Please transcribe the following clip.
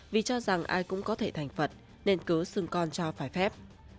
vì cho rằng ai cũng có thể thành phật nên cứ xưng con cho phải phép